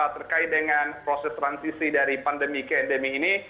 terkait dengan proses transisi dari pandemi ke endemi ini